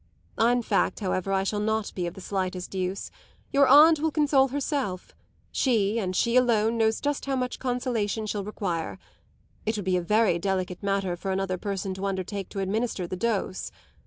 In fact, however, I shall not be of the slightest use. Your aunt will console herself; she, and she alone, knows just how much consolation she'll require. It would be a very delicate matter for another person to undertake to administer the dose.